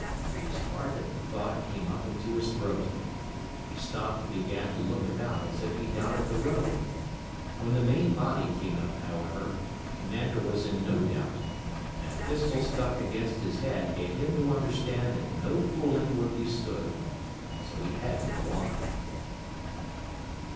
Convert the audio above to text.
His heart at the thought came up into his throat. He stopped and began to look about as if he doubted the road. When the main body came up, however, the commander was in no doubt, and a pistol stuck against his head gave him to understand that no fooling would be stood. So he had to go on.